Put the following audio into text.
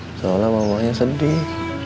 insya allah mamanya sedih